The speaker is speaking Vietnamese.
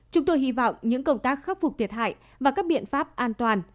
chúng tôi hy vọng những công tác khắc phục thiệt hại và các biện pháp an toàn